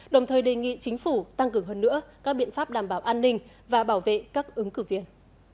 đồng thời đề nghị chính phủ tăng cường hơn nữa các biện pháp đảm bảo an ninh và bảo vệ các ứng cử viên